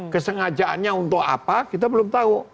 kesengajaannya untuk apa kita belum tahu